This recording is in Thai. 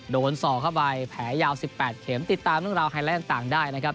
โดนส่อเข้าไปแผลยาวสิบแปดเข็มติดตามราวไทยรัฐต่างได้นะครับ